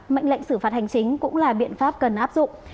mệnh lệnh xử phạt hành chính cũng là biện pháp cần áp dụng